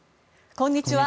こんにちは。